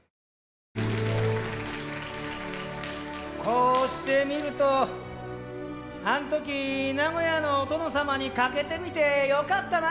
こうしてみるとあんとき名古屋のお殿様に賭けてみてよかったな。